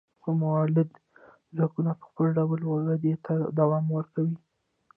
خو مؤلده ځواکونه په خپل ډول ودې ته دوام ورکوي.